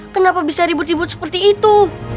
kenapa bisa ribut ribut seperti itu